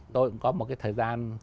tôi cũng có một cái thời gian